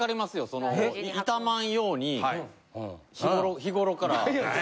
その傷まんように日ごろから。